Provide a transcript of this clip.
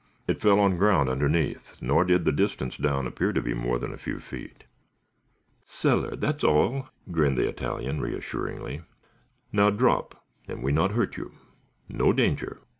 It fell on ground underneath, nor did the distance down appear to be more than a few feet. "Cellar, that's all," grinned the Italian, reassuringly. "Now, drop, and we not hurt you. No danger.